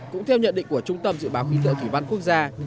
cũng theo nhận định của trung tâm dự báo khí tượng thủy văn quốc gia